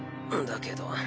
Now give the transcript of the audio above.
だけど。